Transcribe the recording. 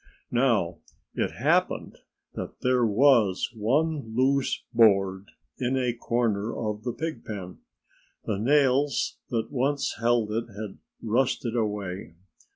Now, it happened that there was one loose board in a corner of the pigpen. The nails that once held it had rusted away.